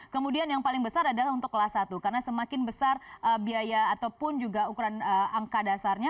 kemudian yang paling besar adalah untuk kelas satu karena semakin besar biaya ataupun juga ukuran angka dasarnya